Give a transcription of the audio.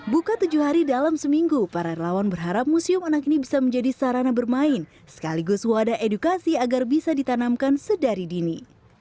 buka tujuh hari dalam seminggu para relawan berharap museum anak ini bisa menjadi sarana bermain sekaligus wadah edukasi agar bisa ditanamkan sedari dini